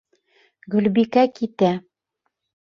Гөлбикә китә.